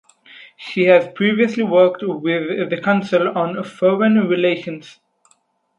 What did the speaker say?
She has previously worked with the Council on Foreign Relations.